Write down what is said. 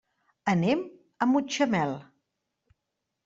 Anem a Mutxamel.